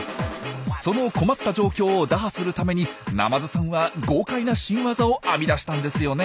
その困った状況を打破するためにナマズさんは豪快な新ワザを編み出したんですよね。